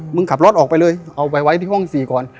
ขับรถออกไปเลยเอาไปไว้ที่ห้อง๔ก่อน